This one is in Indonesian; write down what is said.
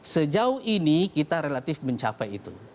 sejauh ini kita relatif mencapai itu